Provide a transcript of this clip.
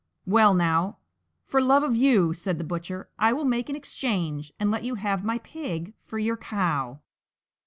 "Well now, for love of you," said the Butcher, "I will make an exchange, and let you have my pig for your cow."